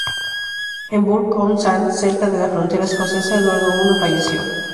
En Burgh-on-Sands, cerca de la frontera escocesa, Eduardo I falleció.